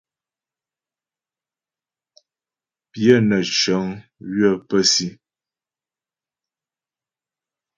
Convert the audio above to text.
Pyə nə́ shəŋ ywə pə́ si.